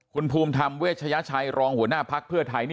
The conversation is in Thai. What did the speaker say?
คุณภูมิธรรมเวชยชัยรองหัวหน้าภักดิ์เพื่อไทย